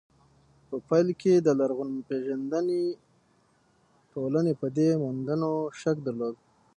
په پيل کې د لرغونپېژندنې ټولنې په دې موندنو شک درلود.